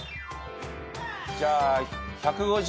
じゃあ１５０